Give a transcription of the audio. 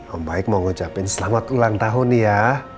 om baik mau ngocapin selamat ulang tahun ya